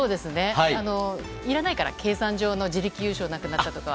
いらないから、計算上の自力優勝がなくなったとか。